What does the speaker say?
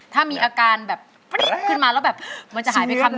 ถ้ามีอาการแบบขึ้นมาแล้วแบบมันจะหายไปคำนึ